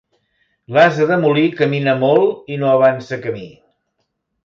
L'ase de molí camina molt i no avança camí.